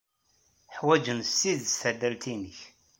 Ḥwajen s tidet tallalt-nnek.